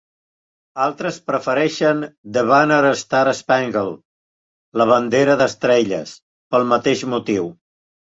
Altres prefereixen "The Banner-Star Spangled" (La bandera d"estrelles) pel mateix motiu.